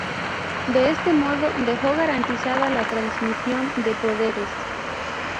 De este modo dejó garantizada la transmisión de poderes.